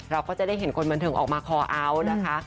เราก็จะได้เห็นคนบันเทิงออกมาคอเอาท์นะคะ